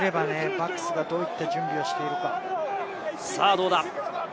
バックスがどういった準備をしているか。